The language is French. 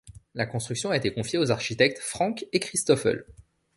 La construction a été confiée aux architectes Franque et Christophle.